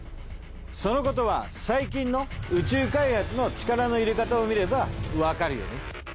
そのことは最近の宇宙開発の力の入れ方を見ればわかるよね。